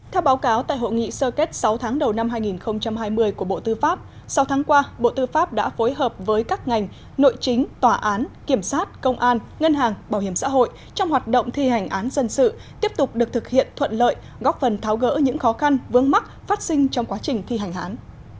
theo báo cáo tại hội nghị sơ kết sáu tháng đầu năm hai nghìn hai mươi của bộ tư pháp sáu tháng qua bộ tư pháp đã phối hợp với các ngành nội chính tòa án kiểm soát công an ngân hàng bảo hiểm xã hội trong hoạt động thi hành án dân sự tiếp tục được thực hiện thuận lợi góp phần tháo gỡ những khó khăn vướng mắc phát sinh trong quá trình thi hành án